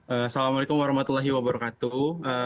assalamualaikum warahmatullahi wabarakatuh